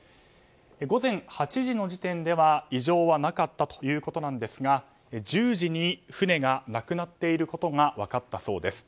午前８時の時点では異常はなかったということですが１０時に船がなくなっていることが分かったそうです。